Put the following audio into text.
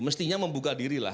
mestinya membuka diri lah